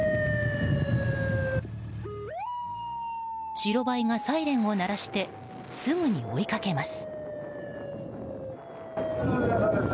白バイがサイレンを鳴らしてすぐに追いかけます。